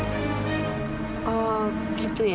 oh gitu ya